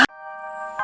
ya udah deh bik